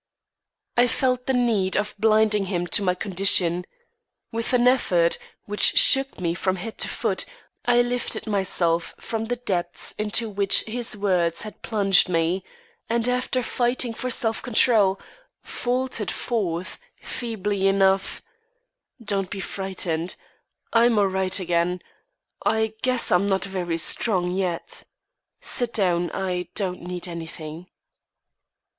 I felt the need of blinding him to my condition. With an effort, which shook me from head to foot, I lifted myself from the depths into which his words had plunged me, and fighting for self control, faltered forth, feebly enough: "Don't be frightened. I'm all right again; I guess I'm not very strong yet. Sit down; I don't need anything."